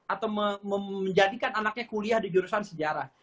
atau menjadikan anaknya kuliah di jurusan sejarah